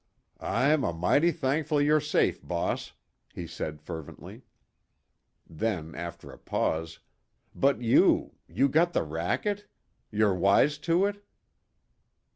"I'm a'mighty thankful you're safe, boss," he said fervently. Then, after a pause, "But you you got the racket? You're wise to it?"